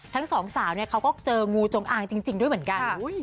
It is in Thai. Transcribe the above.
ทั้งสองสาวเนี่ยเขาก็เจองูจงอางจริงด้วยเหมือนกัน